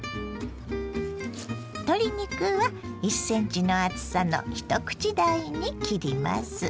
鶏肉は１ｃｍの厚さの一口大に切ります。